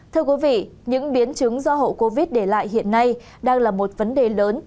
thưa quý vị những biến chứng do hậu covid để lại hiện nay đang là một vấn đề lớn